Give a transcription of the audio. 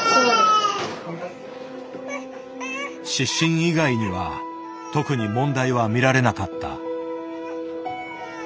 湿疹以外には特に問題は見られなかった。